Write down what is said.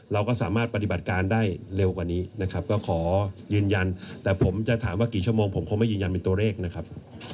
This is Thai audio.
เราก็สามารถปฏิบัติการได้เร็วกว่านี้นะครับก็ขอยืนยันแต่ผมจะถามว่ากี่ชั่วโมงผมคงไม่ยืนยันเป็นตัวเลขนะครับ